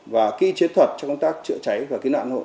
và kỹ chiến thuật cho công tác chữa cháy và kiếm nản hộ